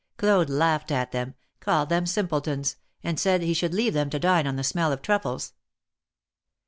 Claude laughed at them, called them simpletons, and said he should leave them to dine on the smell of truffles.